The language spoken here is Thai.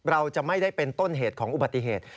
เราจะไม่ได้เป็นต้นเหตุของอุบัติเหตุ